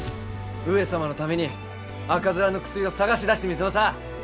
上様のために赤面の薬を探し出してみせまさぁ！